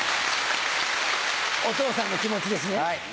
お父さんの気持ちですね。